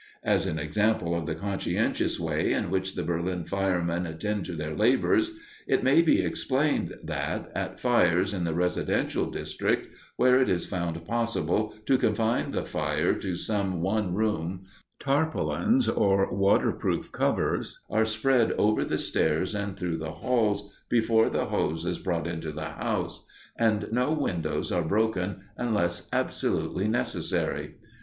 As an example of the conscientious way in which the Berlin firemen attend to their labors, it may be explained that, at fires in the residential districts, where it is found possible to confine the fire to some one room, tarpaulins, or waterproof covers, are spread over the stairs and through the halls before the hose is brought into the house, and no windows are broken unless absolutely necessary.